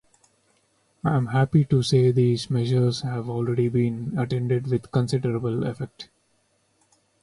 I am happy to say these measures have already been attended with considerable effect.